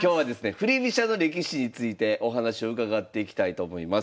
振り飛車の歴史についてお話を伺っていきたいと思います。